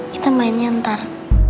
kita mainnya ntar